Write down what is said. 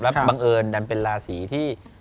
บังเอิญดันเป็นราศีที่